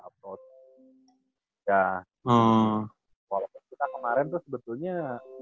ya walaupun kita kemarin tuh sebetulnya